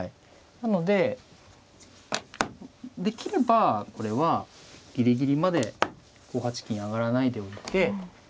なのでできればこれはギリギリまで５八金上がらないでおいて。